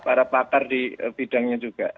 para pakar di bidangnya juga